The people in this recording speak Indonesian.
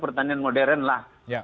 pertanian modern lah